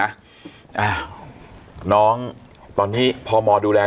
อันดับสุดท้าย